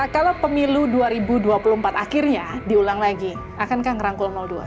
kalau pemilu dua ribu dua puluh empat akhirnya diulang lagi akankah ngerangkul dua